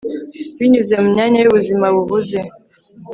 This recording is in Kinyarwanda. Binyuze mu myanya yubuzima buhuze